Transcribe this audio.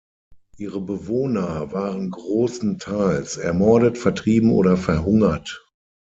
Ihre Bewohner waren großenteils ermordet, vertrieben oder verhungert.